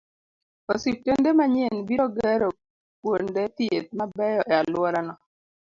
Osiptende manyien biro gero kuonde thieth mabeyo e alworano